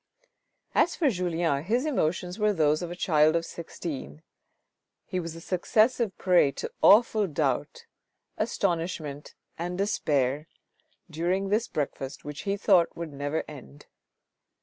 As for Julien, his emotions were those of a child of sixteen. He was a successive prey to awful doubt, astonishment and despair during this breakfast which he thought would never end.